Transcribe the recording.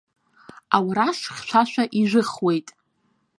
Ауараш хьшәашәа ижәыхуеит.